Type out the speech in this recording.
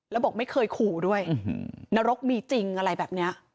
แล้วบอกไม่เคยขู่ด้วยนรกมีจริงอะไรแบบนี้